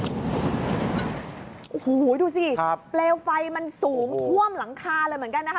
โอ้โหดูสิเปลวไฟมันสูงท่วมหลังคาเลยเหมือนกันนะคะ